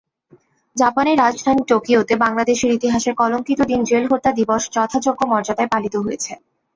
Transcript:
জাপানের রাজধানী টোকিওতে বাংলাদেশের ইতিহাসের কলঙ্কিত দিন জেলহত্যা দিবস যথাযোগ্য মর্যাদায় পালিত হয়েছে।